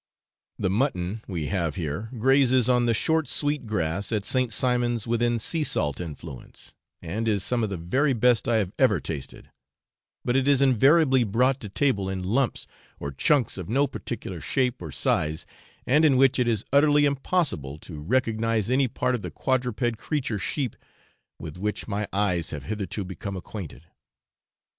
The mutton we have here grazes on the short sweet grass at St. Simon's within sea salt influence, and is some of the very best I have ever tasted, but it is invariably brought to table in lumps or chunks of no particular shape or size, and in which it is utterly impossible to recognise any part of the quadruped creature sheep with which my eyes have hitherto become acquainted.